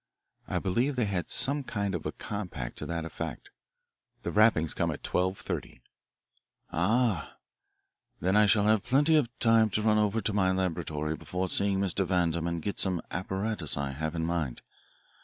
I believe they had some kind of a compact to that effect. The rappings come at twelve thirty." "Ah, then I shall have plenty of time to run over to my laboratory before seeing Mr. Vandam and get some apparatus I have in mind.